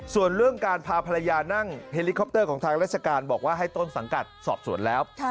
ส่วนเรื่องการพาภรรยานั่งเฮลิคอปเตอร์ของทางราชการบอกว่าให้ต้นสังกัดสอบสวนแล้ว